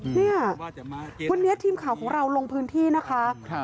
เนี่ยวันนี้ทีมข่าวของเราลงพื้นที่นะคะ